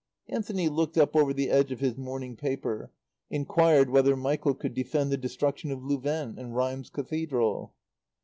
Anthony looked up over the edge of his morning paper, inquired whether Michael could defend the destruction of Louvain and Rheims Cathedral?